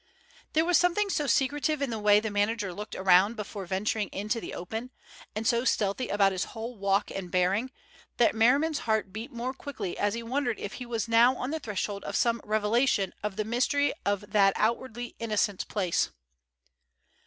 There was something so secretive in the way the manager looked around before venturing into the open, and so stealthy about his whole walk and bearing, that Merriman's heart beat more quickly as he wondered if he was now on the threshold of some revelation of the mystery of that outwardly innocent place.